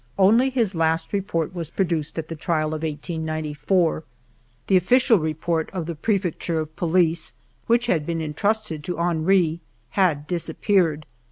Only his last report was pro duced at the trial of 1894; the official report of the Prefecture of Police, which had been intrusted to Henry, had disappeared.